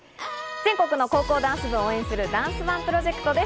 全国の高校ダンス部を応援するダンスＯＮＥプロジェクトです。